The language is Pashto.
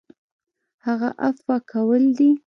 هغه عفوه کول دي .